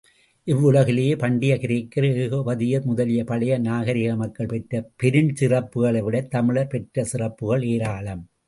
இவ்வுலகிலேயே பண்டைய கிரேக்கர், எகுபதியர் முதலிய பழைய நாகரிக மக்கள் பெற்ற பெருஞ்சிறப்புகளைவிடத் தமிழர் பெற்ற சிறப்புகள் ஏராளம்!